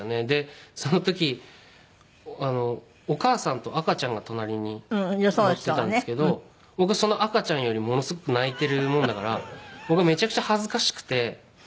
でその時お母さんと赤ちゃんが隣に乗ってたんですけど僕はその赤ちゃんよりものすごく泣いてるもんだから僕めちゃくちゃ恥ずかしくて。